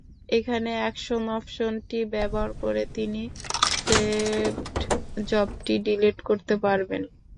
এখানে অ্যাকশন অপশনটি ব্যবহার করে তিনি সেভড জবটি ডিলিট করতে পারবেন।